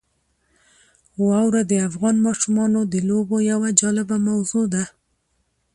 واوره د افغان ماشومانو د لوبو یوه جالبه موضوع ده.